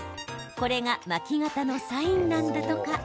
これが巻き肩のサインなんだとか。